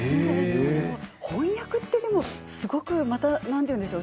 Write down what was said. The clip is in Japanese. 翻訳ってすごくまたなんて言うんでしょう